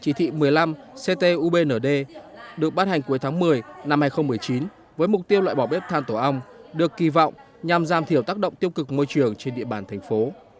chỉ thị một mươi năm ctubnd được ban hành cuối tháng một mươi năm hai nghìn một mươi chín với mục tiêu loại bỏ bếp than tổ ong được kỳ vọng nhằm giảm thiểu tác động tiêu cực môi trường trên địa bàn thành phố